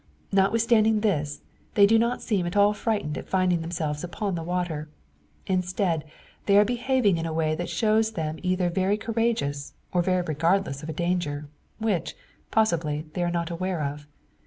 Notwithstanding this, they do not seem at all frightened at finding themselves upon the water. Instead, they are behaving in a way that shows them either very courageous, or very regardless of a danger which, possibly, they are not aware of.